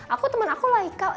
aku temen aku layak